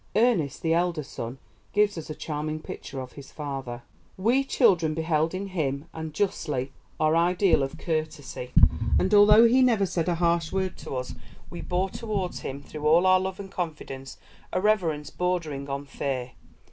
Ernest, the elder son, gives us a charming picture of his father: "We children beheld in him, and justly, our ideal of courtesy, and although he never said a harsh word to us, we bore towards him, through all our love and confidence, a reverence bordering on fear.